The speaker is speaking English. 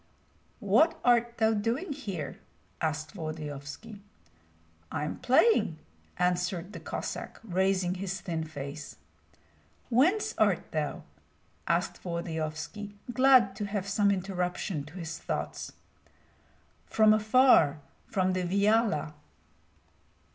"What art thou doing here?" asked Volodyovski. "I am playing," answered the Cossack, raising his thin face, "Whence art thou?" asked Volodyovski, glad to have some interruption to his thoughts. "From afar, from the Viahla."